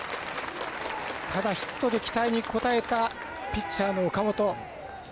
ただ、ヒットで期待に応えたピッチャーの岡本。